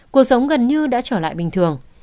cuộc sống gần như đã trở lại bình thường